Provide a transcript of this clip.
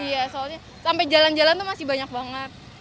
iya soalnya sampai jalan jalan itu masih banyak banget